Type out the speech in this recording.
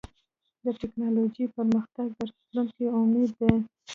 د ټکنالوجۍ پرمختګ د راتلونکي امید دی.